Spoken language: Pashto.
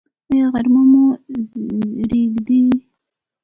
ایا غږ مو ریږدي؟